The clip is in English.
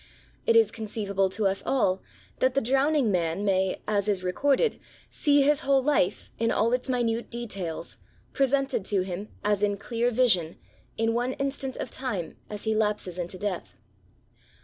It is conceivable to us all that the drowning man may, as is re # corded, see his whole life, in all its minute details, presented to him, as in dear vision, in one instant of time, as he lapses into death.